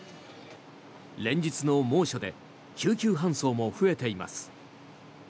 連日の猛暑で救急搬送も増えています。